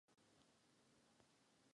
Třikrát získal cenu Grammy.